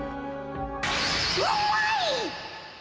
うまいっ！